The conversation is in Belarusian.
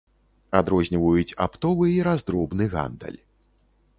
Адрозніваюць аптовы і раздробны гандаль.